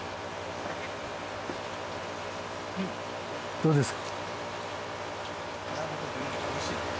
どうですか？